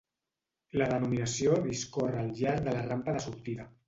La denominació discorre al llarg de la rampa de sortida.